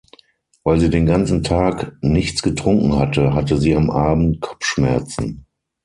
Weil sie den ganzen Tag nichts getrunken hatte, hatte sie am Abend Kopfschmerzen.